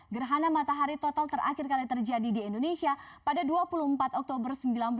gerhana matahari total terakhir kali terjadi di indonesia pada dua puluh empat oktober seribu sembilan ratus empat puluh